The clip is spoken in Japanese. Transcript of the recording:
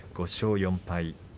５勝４敗。